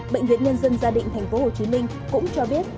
bệnh viện nhân dân gia đình thành phố hồ chí minh cũng cho biết